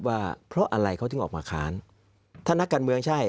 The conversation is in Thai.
ว่าเพราะอะไรเขาถึงออกมาค้านถ้านักการเมืองใช่